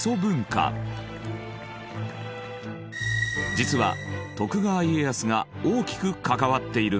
実は徳川家康が大きく関わっているんです。